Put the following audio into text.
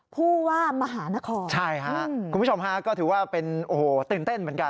ผู้ว่ามหานครใช่ค่ะคุณผู้ชมฮะก็ถือว่าเป็นโอ้โหตื่นเต้นเหมือนกัน